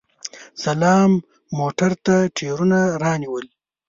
سلام موټر ته ټیرونه رانیول!